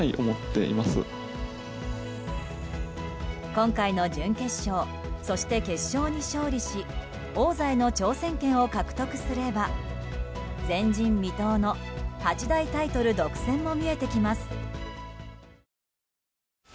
今回の準決勝そして、決勝に勝利し王座への挑戦権を獲得すれば前人未到の八大タイトル独占も見えてきます。